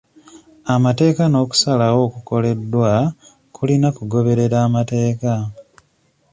Amateeka n'okusalawo okukoleddwa kulina kugoberera amateeka.